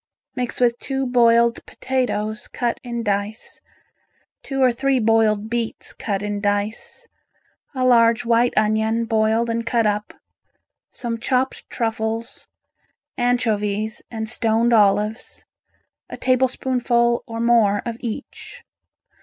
Mix with two boiled potatoes cut in dice, two or three boiled beets cut in dice, a large white onion boiled and cut up, some chopped truffles, anchovies and stoned olives, a tablespoonful or more of each.